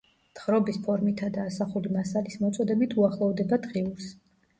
თხრობის ფორმითა და ასახული მასალის მოწოდებით უახლოვდება დღიურს.